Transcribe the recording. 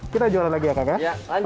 kita jualan lagi ya kakak